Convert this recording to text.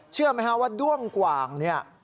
เชื่อไหมฮะว่าด้วงกว่างเนี่ย